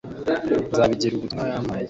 nzabigira ubutumwa yampaye